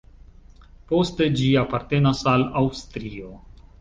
Poste ĝi apartenas al Aŭstrio.